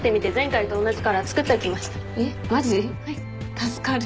助かる。